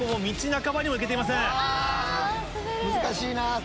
難しいな。